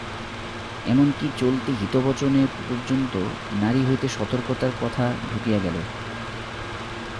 এমন কি চলতি হিতবচনে পর্যন্ত নারী হইতে সতর্কতার কথা ঢুকিয়া গেল।